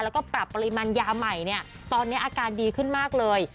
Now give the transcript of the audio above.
แล้วก็ปรับปริมาณยาใหม่เนี่ยตอนนี้อาการดีขึ้นมากเลย